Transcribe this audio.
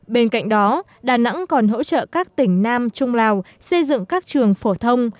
bên cạnh đó đà nẵng còn hỗ trợ các tỉnh nam trung lào xây dựng các trường phổ thông